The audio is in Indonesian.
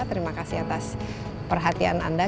terima kasih atas perhatian anda